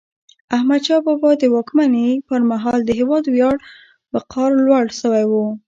احمدشاه بابا د واکمني پر مهال د هیواد وقار لوړ سوی و.